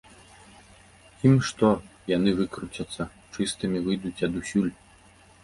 Ім што, яны выкруцяцца, чыстымі выйдуць адусюль.